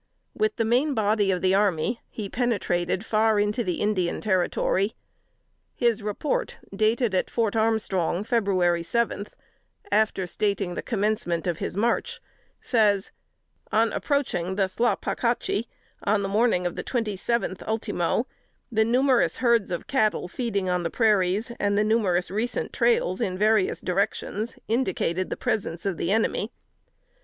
With the main body of the army he penetrated far into the Indian territory. His report, dated at Fort Armstrong, February seventh, after stating the commencement of his march, says, "On approaching the Thla pac hatchee, on the morning of the twenty seventh ultimo, the numerous herds of cattle feeding on the prairies, and the numerous recent trails in various directions, indicated the presence of the enemy."